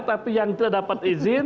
tapi yang tidak dapat izin